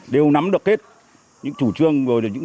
đều nắm được hết những chủ trương